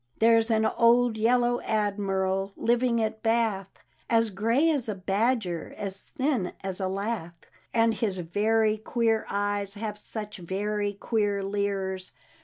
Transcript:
" There's an old Yellow Admiral living at Bath, As grey as a badger, as thin as a lath; And his very queer eyes have such very queer leers.